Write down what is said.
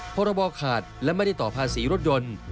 พรบขาดและไม่ได้ต่อภาษีรถยนต์